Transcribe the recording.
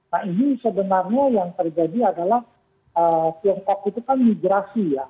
nah ini sebenarnya yang terjadi adalah tiongkok itu kan migrasi ya